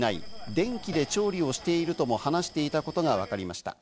電気で調理をしているとも話していたことがわかりました。